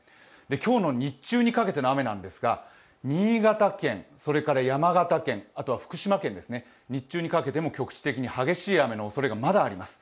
今日の日中にかけての雨なんですが、新潟県、山形県、福島県、日中にかけても局地的に激しい雨のおそれがまだあります。